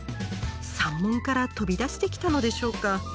山門から飛び出してきたのでしょうか。